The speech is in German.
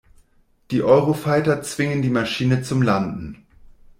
Die Eurofighter zwingen die Maschine zum Landen.